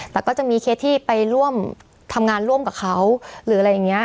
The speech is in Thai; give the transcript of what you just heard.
แต่ก็จะมีเคสที่ไปร่วมทำงานร่วมกับเขาหรืออะไรอย่างนี้